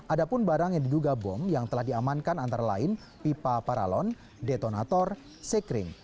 ada pun barang yang diduga bom yang telah diamankan antara lain pipa paralon detonator sekring